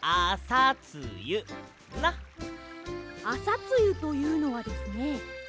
あさつゆというのはですね